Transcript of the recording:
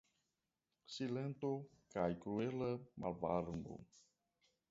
Silento kaj kruela malvarmo.